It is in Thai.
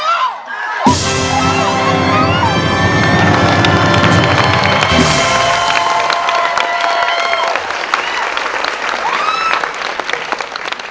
สรุป